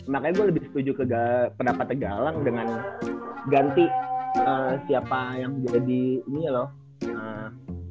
makanya gua lebih setuju ke pendapat tegalang dengan ganti siapa yang jadi ini loh